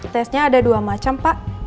tesnya ada dua macam pak